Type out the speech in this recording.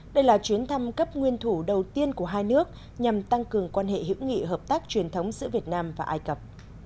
đây là chuyến thăm cấp nguyên thủ đầu tiên của hai nước nhằm tăng cường quan hệ hữu nghị hợp tác truyền thống giữa việt nam và ai cập